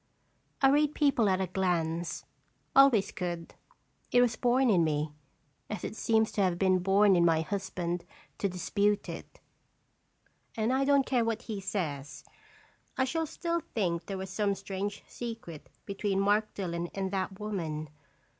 I read people at a glance always could; it was born in me, as it seems to have been born in my husband to dispute it; and I don't care what he says, I shall still think there was some strange secret between Mark Dillon and that woman.